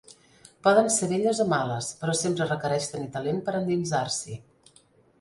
Poden ser belles o males, però sempre requereix tenir talent per endinsar-s'hi.